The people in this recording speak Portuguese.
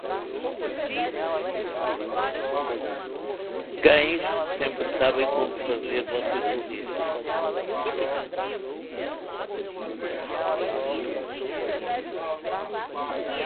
Cães sempre sabem como fazer você sorrir.